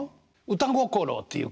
歌心っていうか